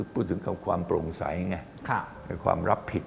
พูดถึงกับความโปร่งใสไงความรับผิด